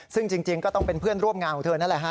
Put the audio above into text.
ซึ่งจริงก็ต้องเป็นเพื่อนร่วมงานของเธอนั่นแหละฮะ